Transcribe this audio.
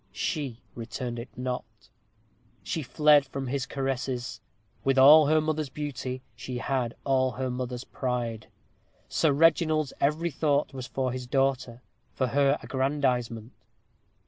She returned it not. She fled from his caresses. With all her mother's beauty, she had all her father's pride. Sir Reginald's every thought was for his daughter for her aggrandizement.